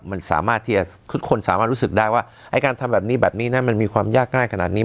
มันสามารถที่จะคือคนสามารถรู้สึกได้ว่าไอ้การทำแบบนี้แบบนี้นะมันมีความยากง่ายขนาดนี้